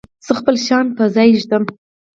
زه خپل شیان په ځای ږدم.